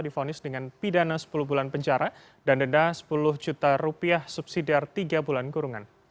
difonis dengan pidana sepuluh bulan penjara dan denda sepuluh juta rupiah subsidiar tiga bulan kurungan